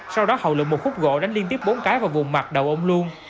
sau đó hậu lựa một khúc gỗ đánh liên tiếp bốn cái vào vùng mặt đầu ông luân